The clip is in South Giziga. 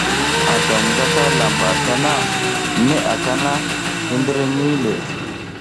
A gam ngataƞʼha lamba tana, neʼe aka na, hindire nih le.